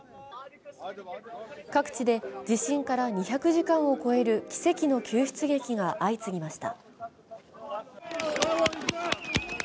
各地で地震から２００時間を超える奇跡の救出劇が相次ぎました。